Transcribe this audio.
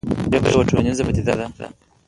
ژبه یوه ټولنیزه پدیده ده.